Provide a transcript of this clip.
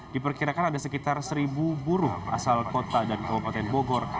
diperkirakan ada sekitar seribu buruh asal kota dan kabupaten bogor